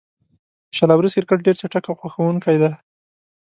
شل اوریز کرکټ ډېر چټک او خوښوونکی دئ.